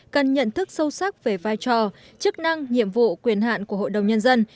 cần nhận thức sâu sắc về vai trò chức năng nhiệm vụ quyền hạn của hội đồng nhân dân